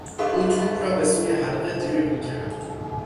او توپ را به سوی حلقه دریبل کرد.